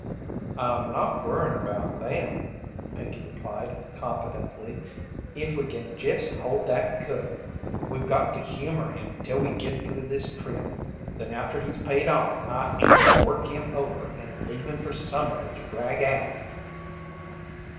"I'm not worryin' about them," Pinkey replied, confidently, "if we can jest hold that cook. We've got to humour him till we git through this trip, then after he's paid off I aim to work him over and leave him for somebody to drag out."